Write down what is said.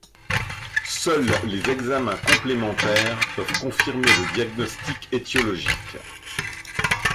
Seuls les examens complémentaires peuvent confirmer le diagnostic étiologique.